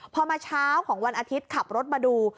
พอมาเช้าของวันอาทิตย์ขับรถมาดู